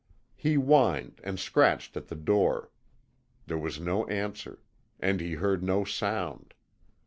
He whined, and scratched at the door. There was no answer. And he heard no sound.